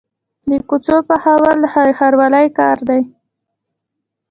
د کوڅو پخول د ښاروالۍ کار دی